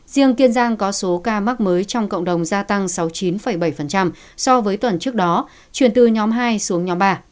riêng kiên giang có số ca mắc mới trong cộng đồng gia tăng sáu mươi chín bảy so với tuần trước đó chuyển từ nhóm hai xuống nhóm ba